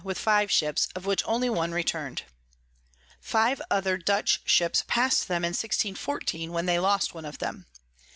with five Ships, of which only one return'd. Five other Dutch Ships pass'd them in 1614. when they lost one of them.